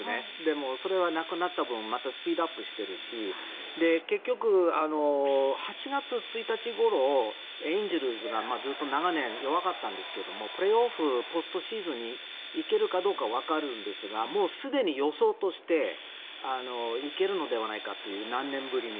それはなくなった分またスピードアップしているし結局、８月１日ごろエンゼルスがずっと長年弱かったんですがプレーオフ、ポストシーズンに行けるかどうかわかるんですがすでに予想として行けるのではないかという何年かぶりに。